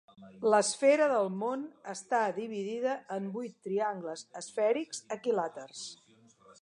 L'esfera del món està dividida en vuit triangles esfèrics equilàters.